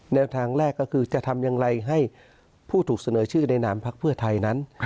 แนวทางแรกก็คือจะทำอย่างไรให้ผู้ถูกเสนอชื่อในนามพักเพื่อไทยนั้น